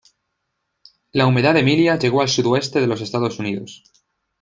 La humedad de Emilia llegó al sudoeste de los Estados Unidos.